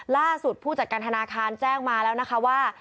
ผู้จัดการธนาคารแจ้งมาแล้วนะคะว่า